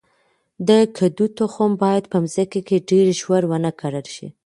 د کدو تخم باید په مځکه کې ډیر ژور ونه کرل شي.